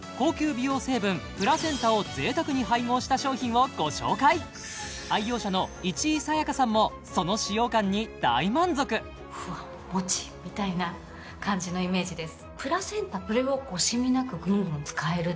美容成分プラセンタを贅沢に配合した商品をご紹介愛用者の市井紗耶香さんもその使用感に大満足みたいな感じのイメージです